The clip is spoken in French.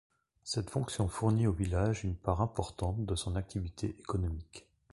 Cette fonction fournit au village une part importante de son activité économique.